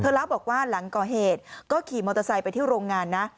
เล่าบอกว่าหลังก่อเหตุก็ขี่มอเตอร์ไซค์ไปที่โรงงานนะ